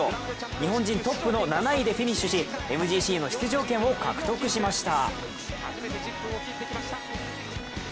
日本人トップの７位でフィニッシュし、ＭＧＣの出場権を獲得しました。